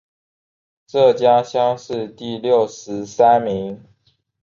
浙江乡试第六十三名。